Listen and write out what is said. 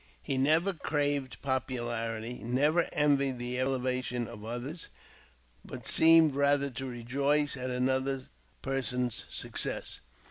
He never craved popularity, never envied the elevation of others, but seemed rather to rejoice at another person's success.